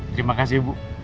terima kasih bu